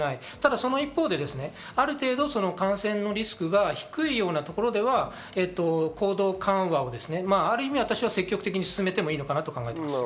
その一方で、ある程度、感染のリスクが低いようなところでは行動緩和をある意味、私は積極的に進めてもいいかと思っています。